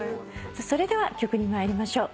それでは曲に参りましょう。